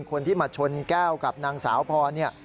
คนที่มาชนแก้วกับนางสาวพรเนี่ย